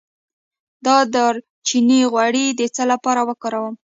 د دارچینی غوړي د څه لپاره وکاروم؟